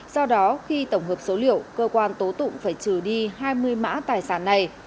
do đó khi tổng hợp số liệu cơ quan tố tụng phải trừ đi hai mươi mã tài sản này